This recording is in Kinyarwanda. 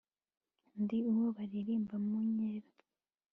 Ndi uwo baririmba mu nkera